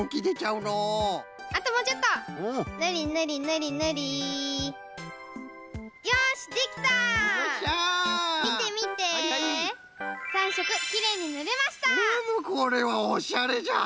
うむこれはおしゃれじゃ！